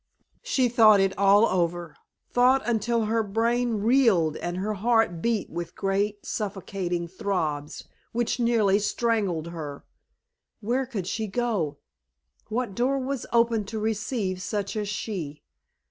She thought it all over thought until her brain reeled and her heart beat with great suffocating throbs which nearly strangled her. Where could she go? What door was open to receive such as she?